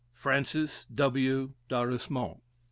FRANCES W. D'ARUSMONT.